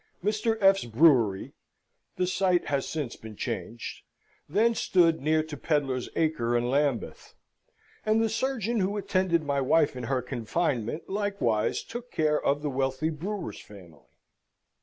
Mr. F.'s Brewery (the site has since been changed) then stood near to Pedlar's Acre in Lambeth and the surgeon who attended my wife in her confinement, likewise took care of the wealthy brewer's family.